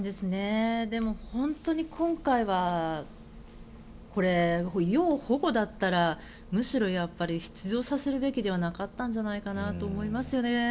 でも、本当に今回は要保護だったらむしろ出場させるべきではなかったんじゃないかなと思いますね。